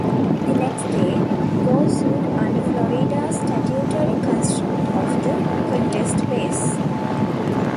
The next day, Gore sued under Florida's statutory construct of the "contest phase".